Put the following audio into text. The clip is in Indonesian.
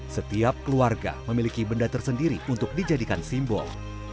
setiap keluarga memiliki benda tersendiri untuk dijadikan simbol